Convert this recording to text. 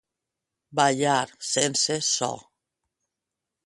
Ballar sense so.